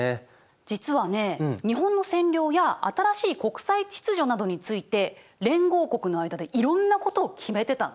実はね日本の占領や新しい国際秩序などについて連合国の間でいろんなことを決めてたの。